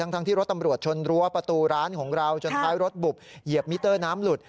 ทั้งที่รถตำรวจชนรั้วประตูร้านของเราจนท้ายรถบุบเหยียบมิเตอร์น้ำหลุด